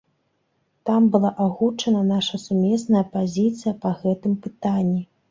Там была агучана наша сумесная пазіцыя па гэтым пытанні.